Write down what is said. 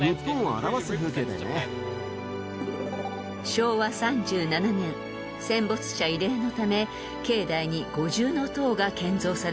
［昭和３７年戦没者慰霊のため境内に五重塔が建造されました］